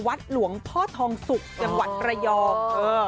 วัดหลวงพ่อทองสุกจังหวัดระยอง